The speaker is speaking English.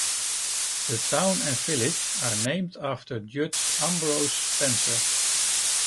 The town and village are named after Judge Ambrose Spencer.